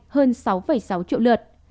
hơn sáu sáu triệu lượt